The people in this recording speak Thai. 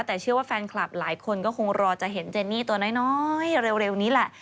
แต่เชื่อว่าแฟนคลับหลายคนก็คงรอจะเห็นเจนี่ตัวน้อยเร็วนี้แหละ